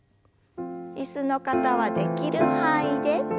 椅子の方はできる範囲で。